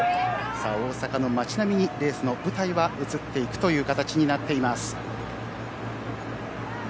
大阪の街並みにレースの舞台は移っていくという形になっています。